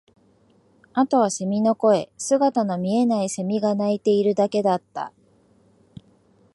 あとは蝉の声、姿の見えない蝉が鳴いているだけだった